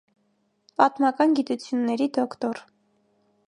Պատմական գիտությունների դոկտոր։